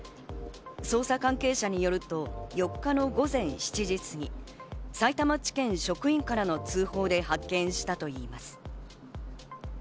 捜査関係者によると４日の午前７時過ぎ、さいたま地検職員からの通報で発見したといいます。